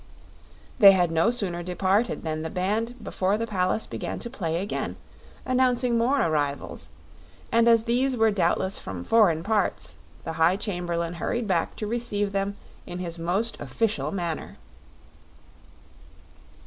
They had no sooner departed than the band before the palace began to play again, announcing more arrivals, and as these were doubtless from foreign parts the High Chamberlain hurried back to receive them in his most official manner.